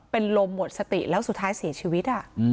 เป็นลมหมดสติแล้วสุดท้ายเสียชีวิต